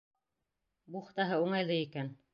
— Бухтаһы уңайлы икән.